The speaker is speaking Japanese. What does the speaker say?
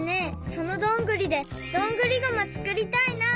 そのどんぐりでどんぐりゴマつくりたいな！